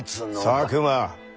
佐久間。